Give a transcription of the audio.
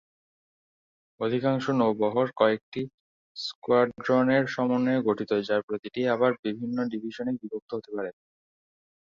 অধিকাংশ নৌবহর কয়েকটি স্কোয়াড্রনের সমন্বয়ে গঠিত, যার প্রতিটি আবার বিভিন্ন ডিভিশনে বিভক্ত হতে পারে।